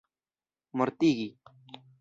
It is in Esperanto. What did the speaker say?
mortigi